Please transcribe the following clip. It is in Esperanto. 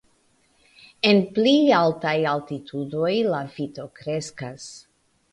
En pli altaj altitudoj la vito kreskas.